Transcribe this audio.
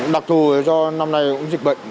đặc thù do năm nay cũng dịch bệnh